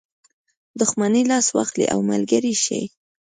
دښمني لاس واخلي او ملګری شي.